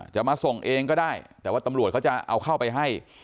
จะมาส่งเองก็ได้แต่ว่าตำรวจเขาจะเอาเข้าไปให้